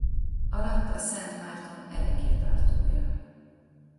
Alatta Szent Márton ereklyetartója.